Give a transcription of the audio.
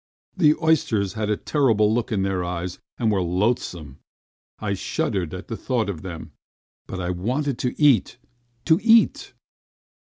The oysters had a terrible look in their eyes and were loathsome. I shuddered at the thought of them, but I wanted to eat! To eat!